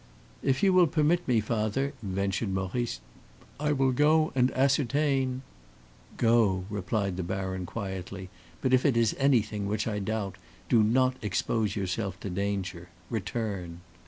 "If you will permit me, father," ventured Maurice, "I will go and ascertain " "Go," replied the baron, quietly; "but if it is anything, which I doubt, do not expose yourself to danger; return."